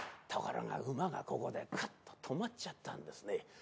ところが馬がここでパッと止まっちゃったんですね。